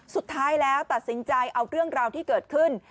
สุดท้ายแล้วตัดสินใจเอาเรื่องราวที่เกิดขึ้น